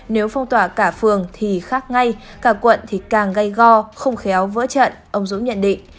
nếu phong tỏa cả phường thì khác ngay cả quận thì càng gây go không khéo vỡ trận ông dũng nhận định